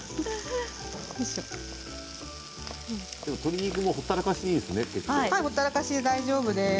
鶏肉もほったらかしでいいですね。